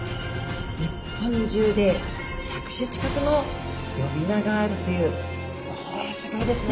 日本中で１００種近くの呼び名があるというこれはすギョいですね。